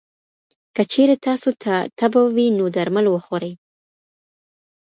که چېرې تاسو ته تبه وي، نو درمل وخورئ.